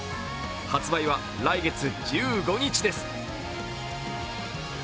発売は来月１５日です。